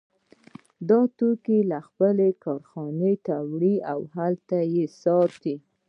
دا توکي خپلې کارخانې ته وړي او هلته یې ساتي